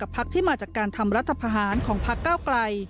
กับพลักษณ์ที่มาจากการทำรัฐพหารของพลักษณ์เก้าไกล